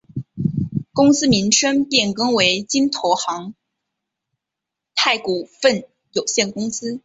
公司名称变更为京投银泰股份有限公司。